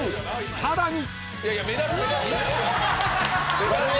［さらに！］